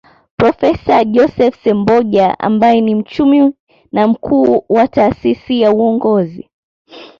Profesa Joseph Semboja ambaye ni mchumi na mkuu wa Taasisi ya Uongozi